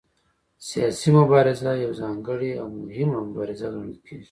سیاسي مبارزه یوه ځانګړې او مهمه مبارزه ګڼل کېږي